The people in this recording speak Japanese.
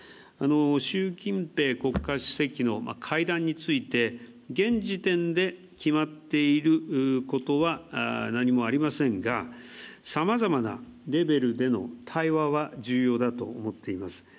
習近平国家主席の会談について現時点で決まっていることは何もありませんが、さまざまなレベルでの対話は重要だと思っています。